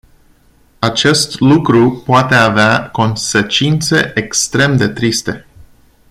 Acest lucru poate avea consecințe extrem de triste.